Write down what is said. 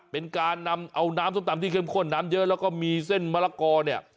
เป็นการนำเอาน้ำส้มตำที่เข้มข้นน้ำเยอะแล้วก็มีเส้นมะละกอเนี่ย